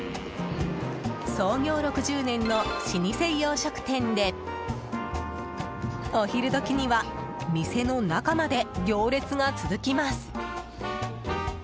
創業６０年の老舗洋食店でお昼時には店の中まで行列が続きます。